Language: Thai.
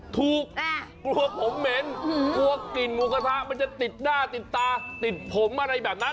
กลัวผมเหม็นกลัวกลิ่นหมูกระทะมันจะติดหน้าติดตาติดผมอะไรแบบนั้น